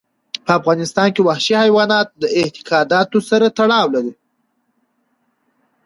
په افغانستان کې وحشي حیوانات د اعتقاداتو سره تړاو لري.